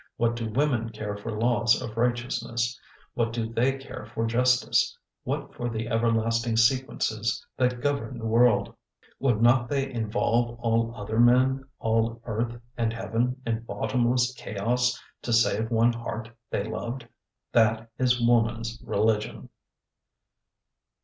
What do women care for laws of righteousness? What do they care for justice? What for the everlasting sequences that govern the world? Would not they involve all other men, all earth and heaven, in bottomless chaos, to save one heart they loved? That is woman's religion.